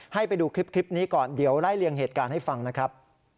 ให้ไปดูคลิปนี้ก่อนเดี๋ยวไล่เลี่ยงเหตุการณ์ให้ฟังนะครับ